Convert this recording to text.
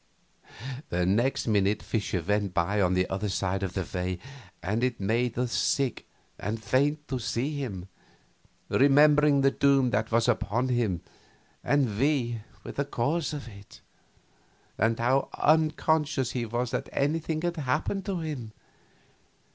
The next minute Fischer went by on the other side of the way, and it made us sick and faint to see him, remembering the doom that was upon him, and we the cause of it. And how unconscious he was that anything had happened to him!